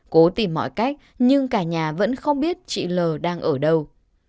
cố tìm mọi cách nhưng cả nhà vẫn không biết chị l đang ở đâu